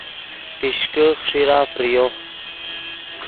پیشکے خیݰیرہ فریو